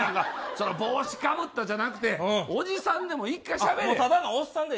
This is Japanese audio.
帽子かぶったじゃなくておじさんでも１回しゃべれ。